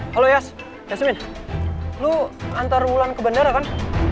halo yas yasmin lu antar wulan ke bandara kan